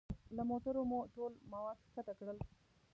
له موټرو مو ټول مواد ښکته کړل.